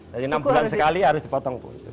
dari enam bulan sekali harus dipotong pun